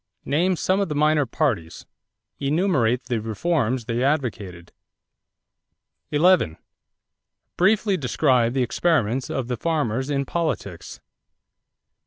Name some of the minor parties. Enumerate the reforms they advocated. 11. Describe briefly the experiments of the farmers in politics.